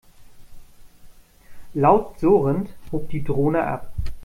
Laut surrend hob die Drohne ab.